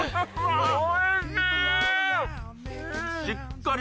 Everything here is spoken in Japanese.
あおいしい。